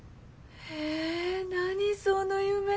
え何その夢。